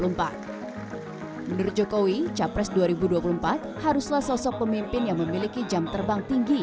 menurut jokowi capres dua ribu dua puluh empat haruslah sosok pemimpin yang memiliki jam terbang tinggi